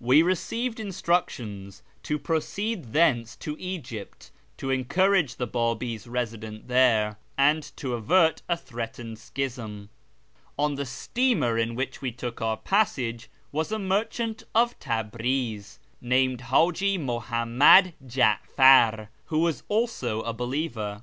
We received instructions to proceed thence to Egypt to encourage the Babis resident there, and to avert a threatened schism. On the steamer in which we took our passage was a merchant of Tabriz, named Haji Muhammad Ja'far, who was also a believer.